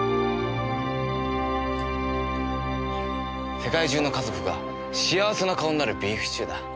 世界中の家族が幸せな顔になるビーフシチューだ。